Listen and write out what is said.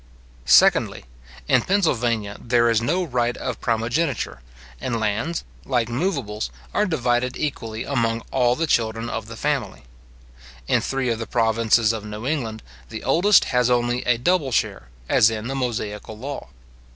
Secondly, In Pennsylvania there is no right of primogeniture, and lands, like moveables, are divided equally among all the children of the family. In three of the provinces of New England, the oldest has only a double share, as in the Mosaical law.